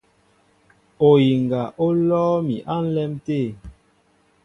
Oyiŋga ó lɔ́ɔ́ mi á ǹlɛ́m tê.